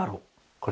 これ